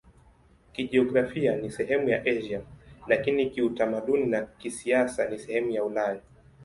Kijiografia ni sehemu ya Asia, lakini kiutamaduni na kisiasa ni sehemu ya Ulaya.